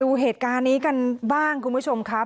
ดูเหตุการณ์นี้กันบ้างคุณผู้ชมครับ